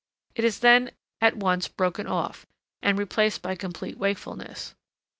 It is then at once broken off, and replaced by complete wakefulness.